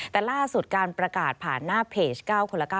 แต่ล่าสุดการประกาศผ่านหน้าเพจ๙คนละ๙